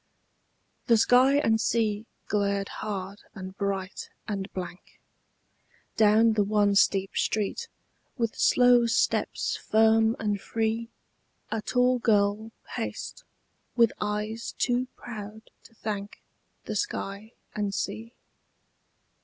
THE sky and sea glared hard and bright and blank: Down the one steep street, with slow steps firm and free, A tall girl paced, with eyes too proud to thank The sky and sea.